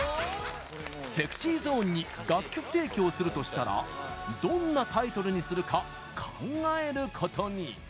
ＳｅｘｙＺｏｎｅに楽曲提供するとしたらどんなタイトルにするか考えることに。